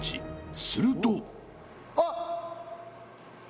［すると］あっ！